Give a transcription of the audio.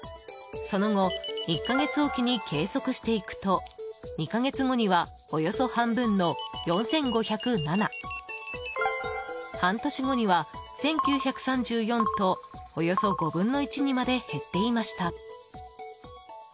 その後１か月おきに計測していくと２か月後にはおよそ半分の４５０７半年後には、１９３４とおよそ５分の１にまで減っていました。